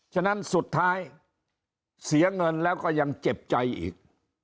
ฉะนั้นสุดท้ายเสียเงินแล้วก็ยังเจ็บใจอีก